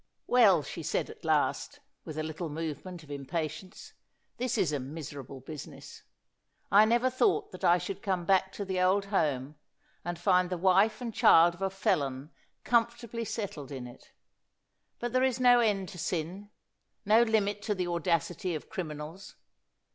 "Well," she said at last, with a little movement of impatience, "this is a miserable business. I never thought that I should come back to the old home and find the wife and child of a felon comfortably settled in it. But there is no end to sin no limit to the audacity of criminals.